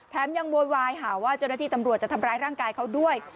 ยังโวยวายหาว่าเจ้าหน้าที่ตำรวจจะทำร้ายร่างกายเขาด้วย